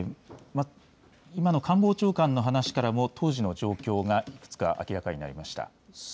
今の官房長官の話からも当時の状況が幾つか明らかになりました。